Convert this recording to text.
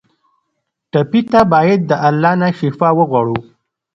ټپي ته باید د الله نه شفا وغواړو.